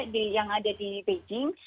yang ada di beijing